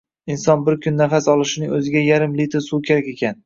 Inson bir kun nafas olishining o‘ziga yarim litr suv kerak ekan